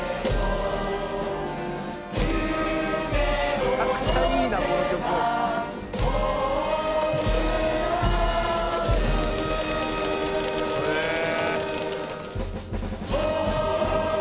「めちゃくちゃいいなこの曲」「へえー！」